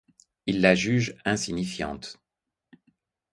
Il la juge insignifiante.